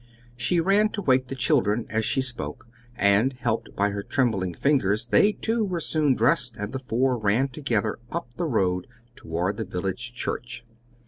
She ran to wake the children, as she spoke, and, helped by her trembling fingers, they, too, were soon dressed, and the four ran together up the road toward the village church.